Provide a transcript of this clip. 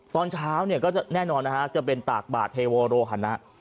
ตอนเช้าเนี่ยก็จะแน่นอนนะฮะจะเป็นตากบาทเทโวโรหนะ